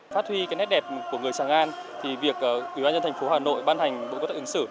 phát huy nét đẹp của người tràng an việc ủy ban nhân thành phố hà nội ban hành bộ quy tắc ứng xử